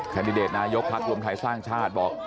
แดดิเดตนายกพักรวมไทยสร้างชาติบอก